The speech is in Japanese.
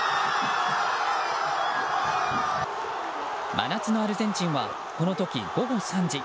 真夏のアルゼンチンはこの時、午後３時。